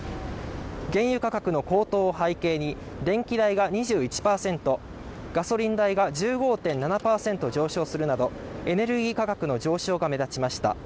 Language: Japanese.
原油価格の高騰を背景に電気代が２１％ガソリン代が１５．７％上昇するなどエネルギー価格の上昇が目立ちました